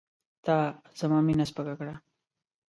تا زما مینه سپکه کړه.